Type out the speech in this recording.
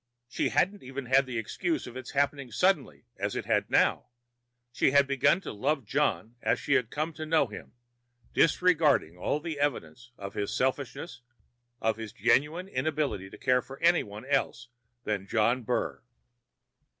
She hadn't even had the excuse of its happening suddenly, as it had happened now. She had begun to love John as she had come to know him, disregarding all the evidence of his selfishness, of his genuine inability to care for any one else than John Burr.